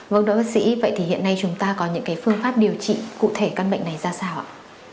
vâng đối với bác sĩ vậy thì hiện nay chúng ta có những cái phương pháp điều trị cụ thể các bệnh này ra sao ạ